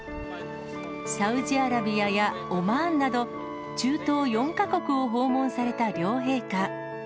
サウジアラビアやオマーンなど、中東４か国を訪問された両陛下。